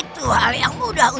dalam keadaan mengambang di udara